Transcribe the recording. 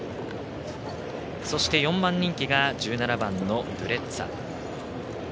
そして、４番人気が１７番のドゥレッツァ。